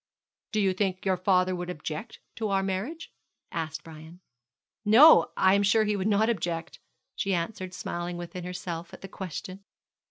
'Do you think your father would object to our marriage?' asked Brian. 'No, I am sure he would not object,' she answered, smiling within herself at the question.